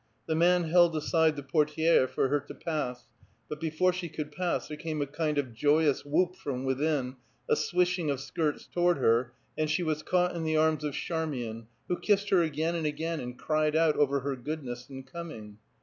The man held aside the portière for her to pass, but before she could pass there came a kind of joyous whoop from within, a swishing of skirts toward her, and she was caught in the arms of Charmian, who kissed her again and again, and cried out over her goodness in coming.